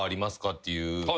っていう。